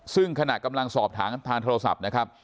ซึ่งขณะกำลังสอบถามทางโทรศัพท์นะครับ